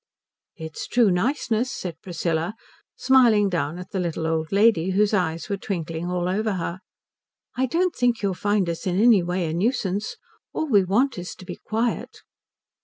"It's true niceness," said Priscilla, smiling down at the little old lady whose eyes were twinkling all over her. "I don't think you'll find us in any way a nuisance. All we want is to be quiet."